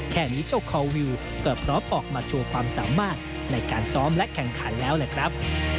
แค่นี้เจ้าคอวิวก็พร้อมออกมาโชว์ความสามารถในการซ้อมและแข่งขันแล้วแหละครับ